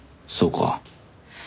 そうか。